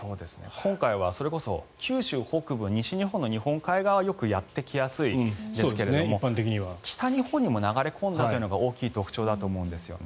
それこそ九州北部西側日本海側によくやってきやすいですが北日本も流れ込んだというのが大きな特徴だと思うんですね。